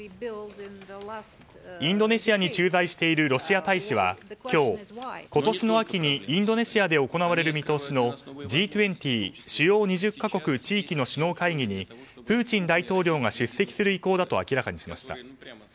インドネシアに駐在しているロシア大使は今日、今年の秋にインドネシアで行われる見通しのＧ２０・主要２０か国・地域の首脳会議にプーチン大統領が出席する意向だと明らかにしました。